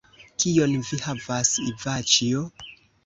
Kion vi havas Ivaĉjo?